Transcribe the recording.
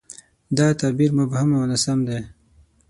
دا تعبیر مبهم او ناسم دی.